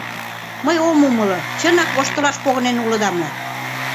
Мый ом умыло: чынак, воштылаш погынен улыда мо?